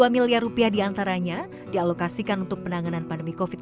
dua miliar rupiah diantaranya dialokasikan untuk penanganan pandemi covid sembilan belas